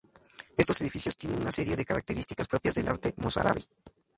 Estos edificios tienen una serie de características propias del arte mozárabe.